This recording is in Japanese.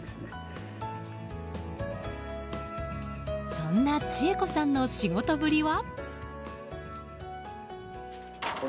そんな千恵子さんの仕事ぶりは。